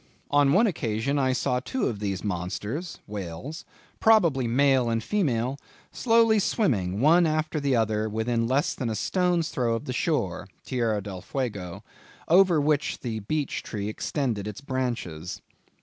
"On one occasion I saw two of these monsters (whales) probably male and female, slowly swimming, one after the other, within less than a stone's throw of the shore" (Terra Del Fuego), "over which the beech tree extended its branches."